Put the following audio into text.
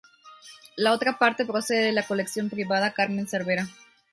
La otra parte procede de la colección privada Carmen Cervera.